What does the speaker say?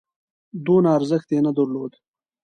دونه ارزښت یې نه درلود.